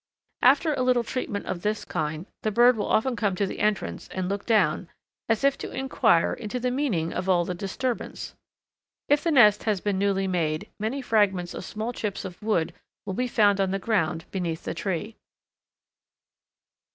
After a little treatment of this kind the bird will often come to the entrance and look down, as if to inquire into the meaning of all the disturbance. If the nest has been newly made many fragments of small chips of wood will be found on the ground beneath the tree.